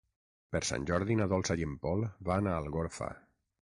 Per Sant Jordi na Dolça i en Pol van a Algorfa.